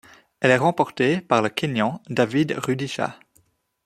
Elle est remportée par le Kényan David Rudisha.